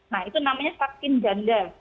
nah itu namanya vaksin janda